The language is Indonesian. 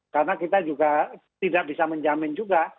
karena kita juga tidak bisa menjamin juga